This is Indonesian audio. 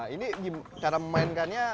ini cara memainkannya